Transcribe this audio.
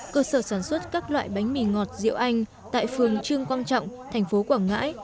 cơ sở sản xuất các loại bánh mì ngọt rượu anh tại phường trương quang trọng tp quảng ngãi